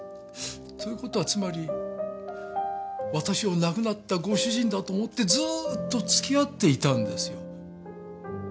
という事はつまり私を亡くなったご主人だと思ってずーっと付き合っていたんですよ。